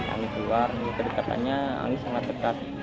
anggi keluar kedekatannya anggi sangat dekat